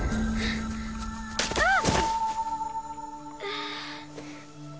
・あっ。